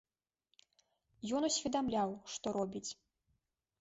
Ён усведамляў, што робіць.